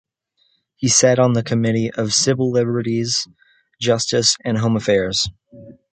She sat on the Committee on Civil Liberties, Justice and Home Affairs.